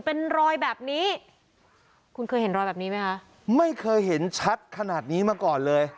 เป็นรอยแบบนี้คุณเคยเห็นรอยแบบนี้ไหมคะไม่เคยเห็นชัดขนาดนี้มาก่อนเลย